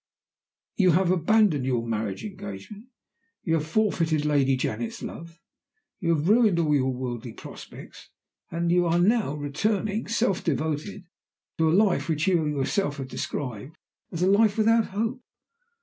You have abandoned your marriage engagement; you have forfeited Lady Janet's love; you have ruined all your worldly prospects; you are now returning, self devoted, to a life which you have yourself described as a life without hope.